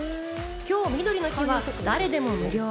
今日みどりの日は誰でも無料。